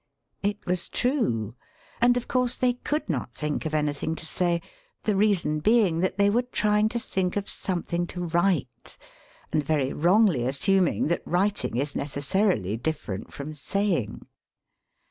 It was tnie. And, of course, they could not think of anything to iay, the reason being that they were trying to think of something to write, and very wrongly aasuming that writing is necessarily different from saying!